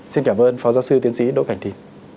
xin cảm ơn phó giáo sư tiến sĩ đỗ cảnh thìn